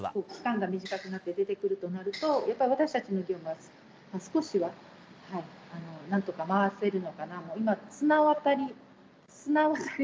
期間が短くなって出てくるとなると、やっぱり私たちの業務が少しはなんとか回せるのかなと。